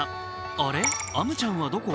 あれ、アムちゃんはどこ？